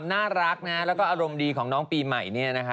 เป็นคำว่าน่ารักและอารมณ์ดีของนมปีใหม่